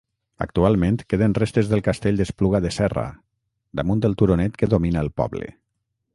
Actualment queden restes del castell d'Espluga de Serra, damunt del turonet que domina el poble.